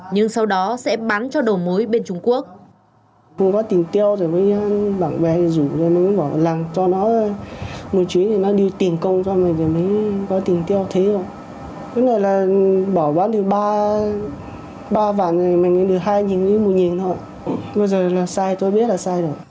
nhưng sau đó sẽ bán cho đầu mối bên trung quốc